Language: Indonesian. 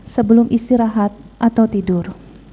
sebelum istirahat atau tidur